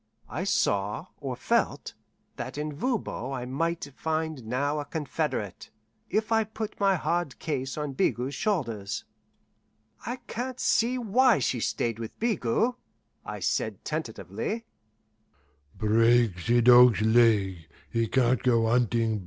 I saw, or felt, that in Voban I might find now a confederate, if I put my hard case on Bigot's shoulders. "I can't see why she stayed with Bigot," I said tentatively.